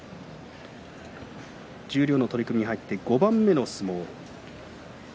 十両の取組に入って５番目の相撲。